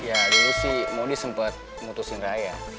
ya dulu si modi sempet mutusin raya